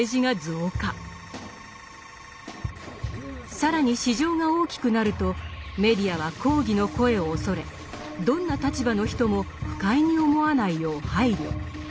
更に市場が大きくなるとメディアは抗議の声を恐れどんな立場の人も不快に思わないよう配慮。